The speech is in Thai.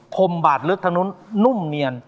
คมบาดลึกทางนู้นนุ่มเนียน